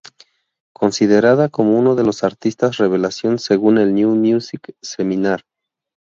Considerada como uno de los artistas revelación según el New Music Seminar.